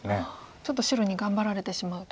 ちょっと白に頑張られてしまうと。